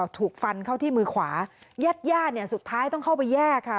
ถูกฟันเข้าที่มือขวาแย่ดสุดท้ายต้องเข้าไปแยกค่ะ